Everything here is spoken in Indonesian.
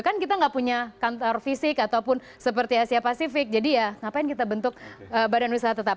kan kita nggak punya kantor fisik ataupun seperti asia pasifik jadi ya ngapain kita bentuk badan usaha tetap